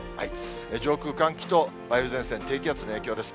上空、寒気と梅雨前線、低気圧の影響です。